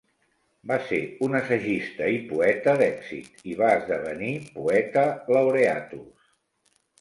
Va ser un assagista i poeta d'èxit i va esdevenir "poeta laureatus".